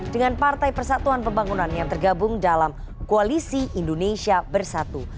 dengan partai persatuan pembangunan yang tergabung dalam koalisi indonesia bersatu